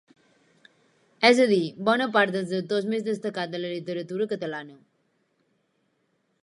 És a dir, bona part dels autors més destacats de la literatura catalana.